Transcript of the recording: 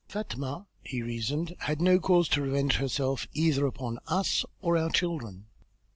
"Fatma," he reasoned, "had no cause to revenge herself either upon us or our children.